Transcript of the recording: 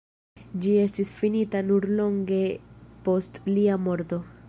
Ĝi estis finita nur longe post lia morto.